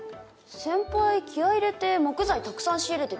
先輩気合い入れて木材たくさん仕入れてたよ。